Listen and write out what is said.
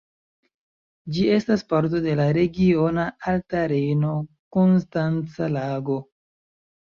Ĝi estas parto de la regiono Alta Rejno-Konstanca Lago.